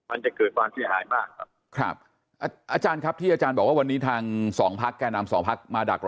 อาจารย์ครับที่อาจารย์บอกว่าวันนี้ทางสองพัฒน์การนำสองพัฒน์มาดักรอ